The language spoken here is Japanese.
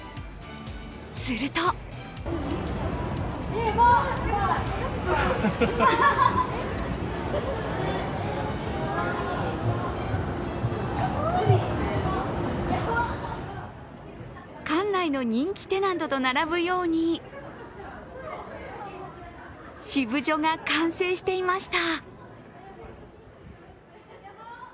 すると館内の人気テナントと並ぶようにシブジョが完成していました。